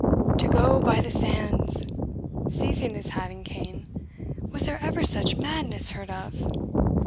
To go by the sands!" seizing his hat and cane; "was there ever such madness heard of!"